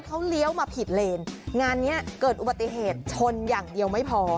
เขาเลี้ยวมาผิดเลนงานเนี้ยเกิดอุบัติเหตุชนอย่างเดียวไม่พอ